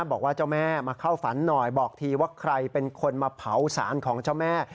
บอกว่าเจ้าแม่มาเข้าฝันหน่อยบอกทีว่าใครเป็นคนมาเผาสารของเจ้าแม่